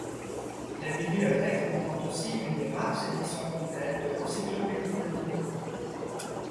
La bibliothèque comprend aussi une des rares éditions complètes de l'encyclopédie de Diderot.